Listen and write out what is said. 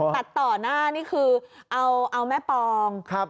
ตัดต่อหน้านี่คือเอาแม่ปอง